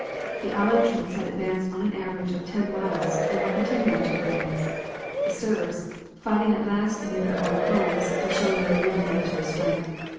The Allied troops had advanced on an average of ten miles and were continuing to advance. The Serbs, fighting at last near their own homes, were showing their real military strength.